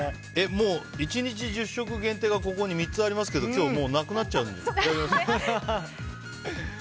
もう１日１０食限定がここに３つありますけど今日、なくなっちゃう。